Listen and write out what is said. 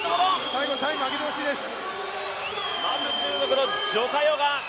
最後、タイム上げて欲しいです！